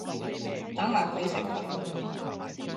等埋佢食飯